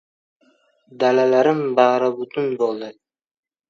Dalalarim bag‘ri butun bo‘ldi.